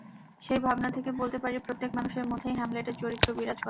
সেই ভাবনা থেকে বলতে পারি, প্রত্যেক মানুষের মধ্যেই হ্যামলেটের চরিত্র বিরাজ করে।